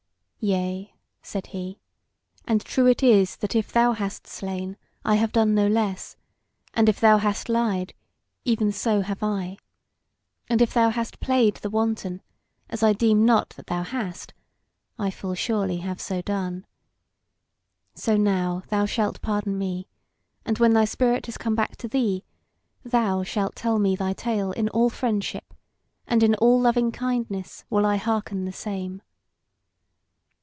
"Yea," said he, "and true it is that if thou hast slain, I have done no less, and if thou hast lied, even so have I; and if thou hast played the wanton, as I deem not that thou hast, I full surely have so done. So now thou shalt pardon me, and when thy spirit has come back to thee, thou shalt tell me thy tale in all friendship, and in all loving kindness will I hearken the same."